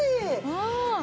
うん！